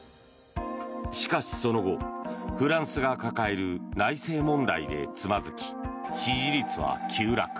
しかしその後、フランスが抱える内政問題でつまずき支持率は急落。